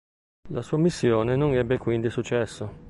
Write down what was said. La sua missione non ebbe quindi successo.